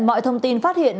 mọi thông tin phát hiện